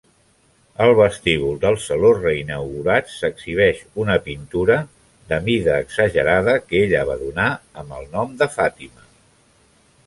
Al vestíbul del saló reinaugurat s'exhibeix una pintura de mida exagerada que ella va donar amb el nom de "Fatima".